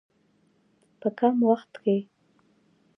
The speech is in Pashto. په کم وخت کې.